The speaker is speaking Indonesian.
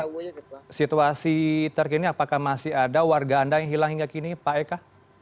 bagaimana situasi terkini apakah masih ada warga anda yang hilang hingga kini pak eka